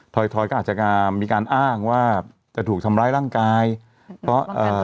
ถอยทอยก็อาจจะมีการอ้างว่าจะถูกทำร้ายร่างกายเพราะเอ่อ